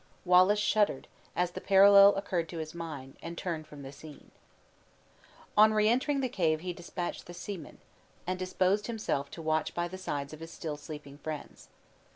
Wallace shuddered, as the parallel occurred to his mind, and turned from the scene. On re entering the cave he dispatched the seamen, and disposed himself to watch by the sides of his still sleeping friends.